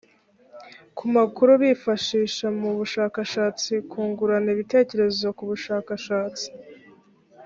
ku makuru bifashisha mu bushakashatsi kungurana ibitekerezo ku bushakashatsi